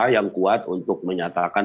yang kuat untuk menyatakan